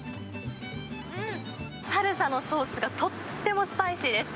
うん、サルサのソースがとってもスパイシーです。